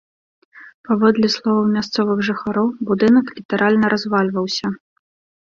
Паводле словаў мясцовых жыхароў, будынак літаральна развальваўся.